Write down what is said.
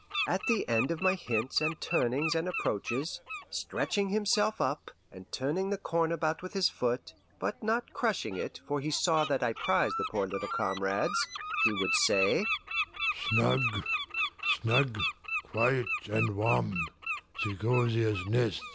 At the end of my hints and turnings and approaches, stretching himself up, and turning the corn about with his foot (but not crushing it, for he saw that I prized the poor little comrades), he would say: "Snug, snug, quiet and warm!